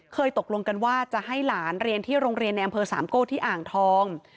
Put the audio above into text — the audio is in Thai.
ตกลงกันว่าจะให้หลานเรียนที่โรงเรียนในอำเภอสามโก้ที่อ่างทอง